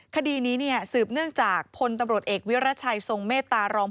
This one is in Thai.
คดีนี้สืบเนื่องจากพลตำรวจเอกวิรัชัยทรงเมตตารอง